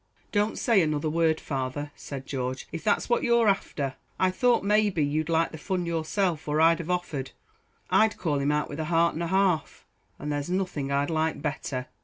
"Don't say another word, father," said George, "if that's what you're after. I thought, may be, you'd like the fun yourself, or I'd have offered. I'd call him out with a heart and a half; there's nothing I'd like better.